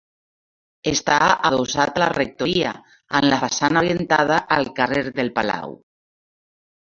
Està adossat a la rectoria, amb la façana orientada al carrer del Palau.